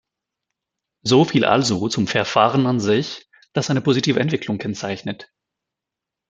Soviel also zum Verfahren an sich, das eine positive Entwicklung kennzeichnet.